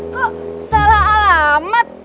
kok salah alamat